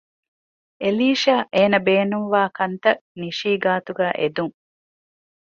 އެލީޝާ އޭނަ ބޭނުންވާ ކަންތަށް ނިޝީ ގާތުގައި އެދުން